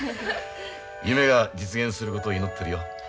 夢が実現することを祈ってるよ。